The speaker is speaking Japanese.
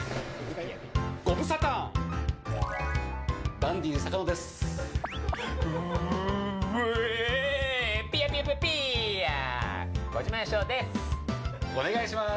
ダンディ坂野です。